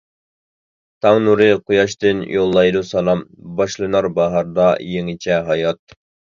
تاڭ نۇرى قۇياشتىن يوللايدۇ سالام، باشلىنار باھاردا يېڭىچە ھايات.